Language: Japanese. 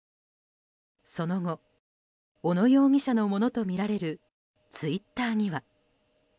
その後、小野容疑者のものとみられるツイッターには。